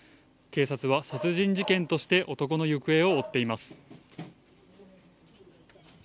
警察は殺人事件として男の行方を追っています。